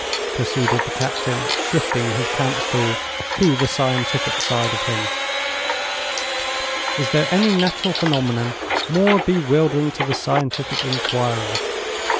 proceeded the captain, shifting the camp stool to the scientific side of him. "Is there any natural phenomenon more bewildering to the scientific inquirer?